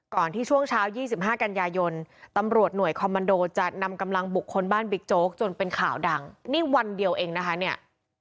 ที่ช่วงเช้า๒๕กันยายนตำรวจหน่วยคอมมันโดจะนำกำลังบุคคลบ้านบิ๊กโจ๊กจนเป็นข่าวดังนี่วันเดียวเองนะคะเนี่ย